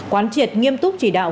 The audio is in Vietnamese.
quán triệt nghiêm túc chỉ đạo